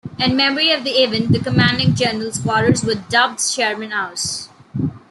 In memory of the event, the Commanding General's quarters were dubbed Sherman House.